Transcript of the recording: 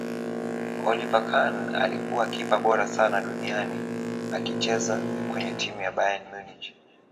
oliver khan alikuwa kipa bora sana duniani akicheza kwenye timu ya bayern munich